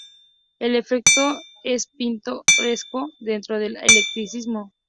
El efecto es "pintoresco" dentro del eclecticismo.